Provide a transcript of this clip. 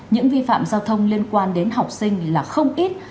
những vi phạm giao thông liên quan đến học sinh là không ít